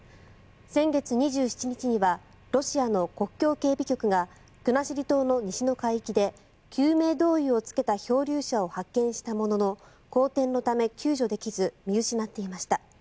先月２７日にはロシアの国境警備局が国後島の西の海域で救命胴衣を着けた漂流者を発見したものの荒天のため救助できず見失っていました。